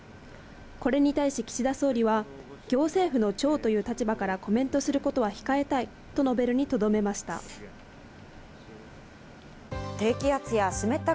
これに対し岸田総理は、行政府の長という立場からコメントすることは控えたいと述べるにとどめました。